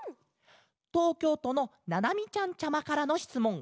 とうきょうとのななみちゃんちゃまからのしつもん。